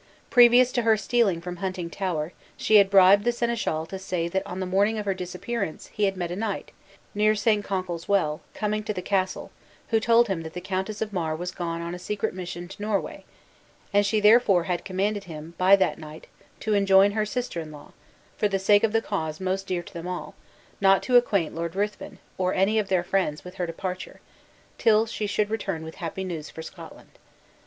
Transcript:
Previous to her stealing from Huntingtower, she had bribed the senesehal to say that on the morning of her disappearance, he had met a knight, near Saint Concal's Well, coming to the castle; who told him that the Countess of Mar was gone on a secret mission to Norway, and she therefore had commanded him, by that knight, to enjoin her sister in law, for the sake of the cause most dear to them all, not to acquaint Lord Ruthven, or any of their friends, with her departure, till she should return with happy news for Scotland.